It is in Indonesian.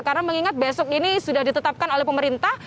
karena mengingat besok ini sudah ditetapkan oleh pemerintah